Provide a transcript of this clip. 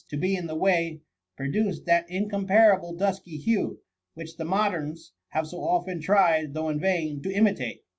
119 to be in their way^ produced that incomparable dusky hue, which the modems have so often tried, though in vain^ to imitate.